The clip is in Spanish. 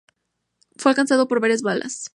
Fue alcanzado por varias balas.